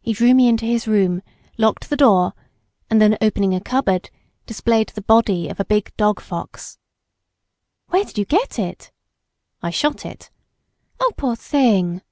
He drew me into his room, locked the door, and then opening a cupboard displayed the body of a big dog fox. "Where did you get it?" "I shot it." "Oh, poor thing."